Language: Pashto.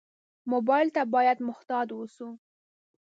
موبایل ته باید محتاط ووسو.